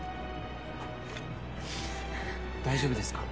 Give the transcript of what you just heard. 大丈夫ですか？